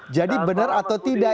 jadi benar atau tidak